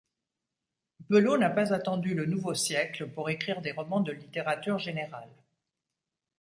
Pelot n'a pas attendu le nouveau siècle pour écrire des romans de littérature générale.